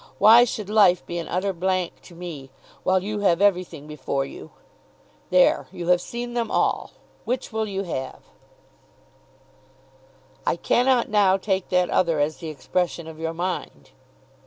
Why should life be an utter blank to me, while you have everything before you? There, you have seen them all. Which will you have?" "I cannot now take that other as the expression of your mind."